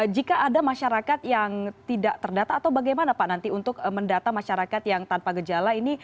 jika ada masyarakat yang tidak terdata atau bagaimana pak nanti untuk mendata masyarakat yang tanpa gejala ini